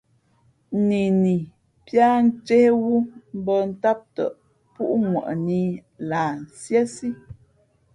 Nini píá ncéhwú mbᾱ ntám tαʼ púʼŋwαʼnǐ lah nsíésí.